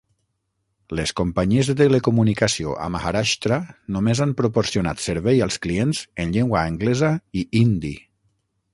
Les companyies de telecomunicació a Maharashtra només han proporcionat servei als clients en llengua anglesa i hindi.